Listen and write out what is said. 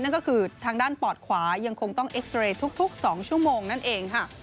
นั่นก็คือทางด้านปอดขวายังคงต้องเอ็กซ์เรย์ทุก๒ชั่วโมงนั่นเองค่ะ